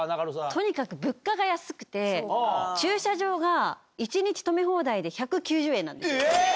とにかく物価が安くて、駐車場が１日止め放題で、１９０円なんですよ。